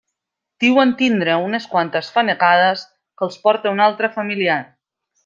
Diuen tindre unes quantes fanecades que els porta un altre familiar.